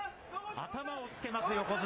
頭をつけます、横綱。